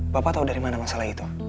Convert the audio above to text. bapak tahu dari mana masalah itu